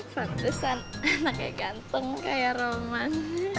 pantesan anaknya ganteng kayak roman